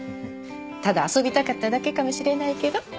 ただ遊びたかっただけかもしれないけど。